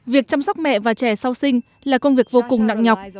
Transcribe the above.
việc chăm sóc mẹ và trẻ sau sinh là công việc vô cùng nặng nhọc